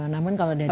namun kalau dari